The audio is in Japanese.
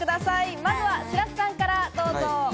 まずは白洲さんからどうぞ。